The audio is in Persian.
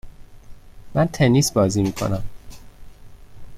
من تنیس بازی میکنم.